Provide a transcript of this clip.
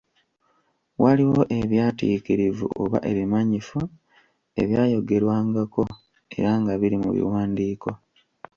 Waliwo ebyatiikirivu oba ebimanyifu ebyayogerwangako era nga biri mu biwandiiko.